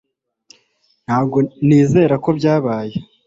Ntabwo nizera ko byabaye